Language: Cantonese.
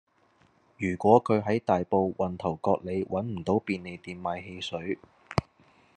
如果佢喺大埔運頭角里搵唔到便利店買汽水